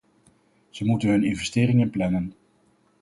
Ze moeten hun investeringen plannen.